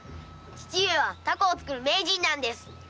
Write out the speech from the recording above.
父上は凧を作る名人なんです！